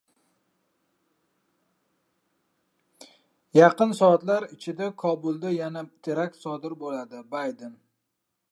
Yaqin soatlar ichida Kobulda yana terakt sodir bo‘ladi — Bayden